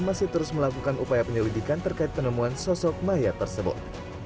masih terus melakukan upaya penyelidikan terkait penemuan sosok mayat tersebut